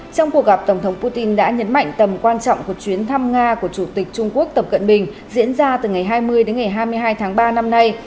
trong cuộc gặp tổng thống putin đã nhấn mạnh tầm quan trọng của chuyến thăm nga của chủ tịch trung quốc tập cận bình diễn ra từ ngày hai mươi đến ngày hai mươi hai tháng ba năm nay